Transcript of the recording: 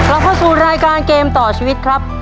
เราเข้าสู่รายการเกมต่อชีวิตครับ